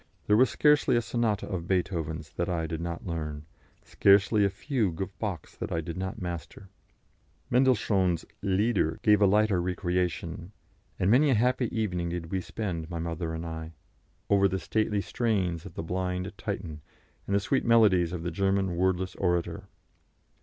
There was scarcely a sonata of Beethoven's that I did not learn, scarcely a fugue of Bach's that I did not master. Mendelssohn's "Lieder" gave a lighter recreation, and many a happy evening did we spend, my mother and I, over the stately strains of the blind Titan, and the sweet melodies of the German wordless orator.